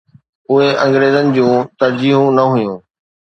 اهي انگريزن جون ترجيحون نه هيون.